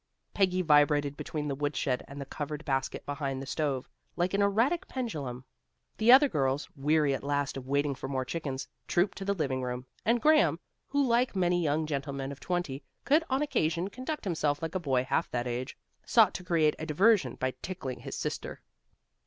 Peggy vibrated between the woodshed and the covered basket behind the stove, like an erratic pendulum. The other girls, weary at last of waiting for more chickens, trooped to the living room, and Graham, who like many young gentlemen of twenty, could on occasion conduct himself like a boy half that age, sought to create a diversion by tickling his sister.